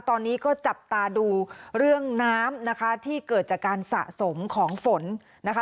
ตอนนี้ก็จับตาดูเรื่องน้ำนะคะที่เกิดจากการสะสมของฝนนะคะ